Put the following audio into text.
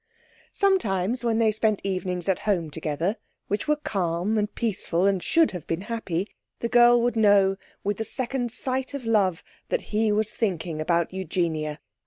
Sometimes when they spent evenings at home together, which were calm and peaceful and should have been happy, the girl would know, with the second sight of love, that he was thinking about Eugenia.